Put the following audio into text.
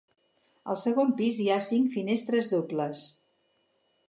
Al segon pis hi ha cinc finestres dobles.